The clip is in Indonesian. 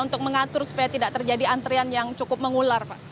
untuk mengatur supaya tidak terjadi antrian yang cukup mengular pak